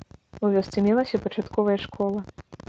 У вёсцы мелася пачатковая школа.